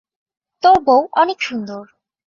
তোর বউ অনেক সুন্দর।